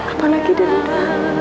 apalagi dia muda